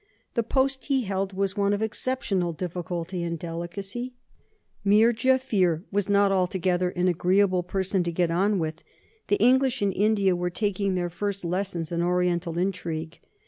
The post he held was one of exceptional difficulty and delicacy. Mir Jaffier was not altogether an agreeable person to get on with. The English in India were taking their first lessons in Oriental intrigue.